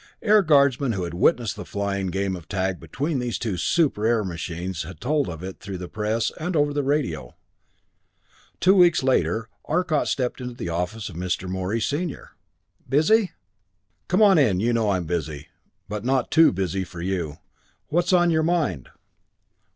Air Guardsmen who had witnessed the flying game of tag between these two super air machines had told of it through the press and over the radio. Two weeks later, Arcot stepped into the office of Mr. Morey, senior. "Busy?" "Come on in; you know I'm busy but not too busy for you. What's on your mind?"